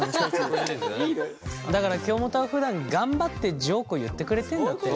だから京本はふだん頑張ってジョークを言ってくれてんだって。